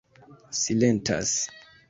silentas